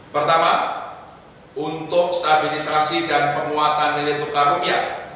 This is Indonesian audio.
pertama untuk stabilisasi dan pemuatan milik tukang rupiah